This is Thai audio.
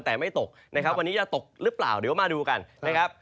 แต่ไม่ตกนะครับวันนี้จะตกหรือเปล่าเดี๋ยวมาดูกันนะครับ